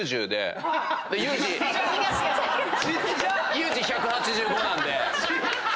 ユージ１８５なんで。